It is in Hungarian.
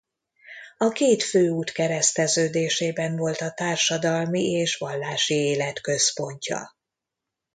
A két főút kereszteződésében volt a társadalmi és vallási élet központja.